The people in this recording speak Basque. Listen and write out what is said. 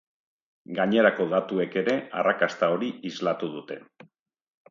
Gainerako datuek ere arrakasta hori islatu dute.